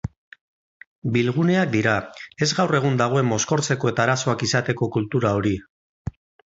Bilguneak dira, ez gaur egun dagoen mozkortzeko eta arazoak izateko kultura hori.